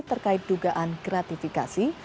terkait dugaan gratifikasi